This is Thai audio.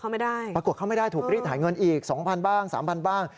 ปรากฏเข้าไม่ได้ถูกริดหายเงินอีก๒๐๐๐บ้าง๓๐๐๐บ้าง